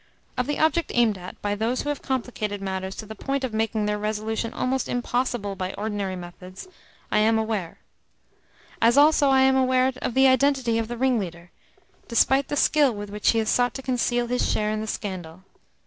Of the object aimed at by those who have complicated matters to the point of making their resolution almost impossible by ordinary methods I am aware; as also I am aware of the identity of the ringleader, despite the skill with which he has sought to conceal his share in the scandal.